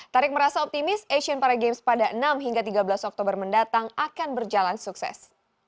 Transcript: tarik merasa optimis asian paragames pada enam hingga tiga belas oktober mendatang akan berjalan sukses